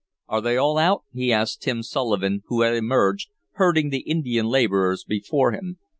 "Are they all out?" he asked Tim Sullivan, who had emerged, herding the Indian laborers before him.